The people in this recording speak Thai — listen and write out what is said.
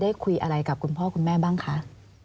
คุยอะไรกับคุณพ่อคุณแม่บ้างคะ